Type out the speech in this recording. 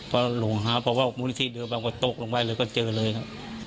พอหลวงหาพอว่ามูลที่เดินไปมันก็ตกลงไปเลยก็เจอเลยครับ